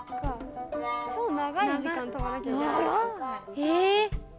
え？